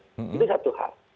jadi satu hal